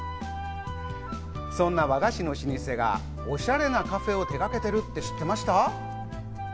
そんな和菓子の老舗がおしゃれなカフェを手がけているって知ってました？